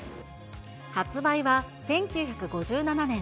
発売は１９５７年。